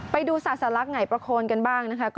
ไปดูศาสลักษ์ไหนประโคนกันบ้างนะคะ